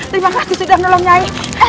terima kasih sudah nolong nyai